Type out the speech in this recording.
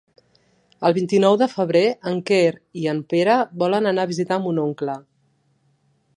El vint-i-nou de febrer en Quer i en Pere volen anar a visitar mon oncle.